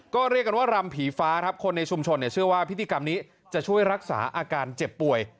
ก็เรียกกันว่ารำผีฟ้าครับคนในชุมชนเชื่อว่าพิธีกรรมนี้จะช่วยรักษาอาการเจ็บป่วย